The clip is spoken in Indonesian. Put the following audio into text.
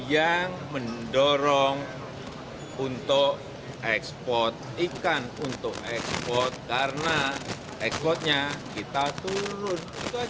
yang mendorong untuk ekspor ikan untuk ekspor karena ekspornya kita turun